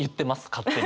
勝手に。